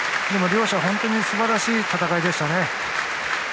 両者、すばらしい戦いでしたね。